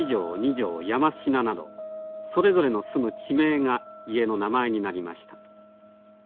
山科などそれぞれの住む地名が家の名前になりました。